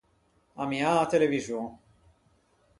Ammiâ a televixon.